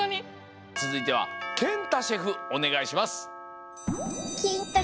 つづいてはけんたシェフおねがいします！